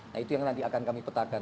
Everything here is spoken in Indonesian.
nah itu yang nanti akan kami petakan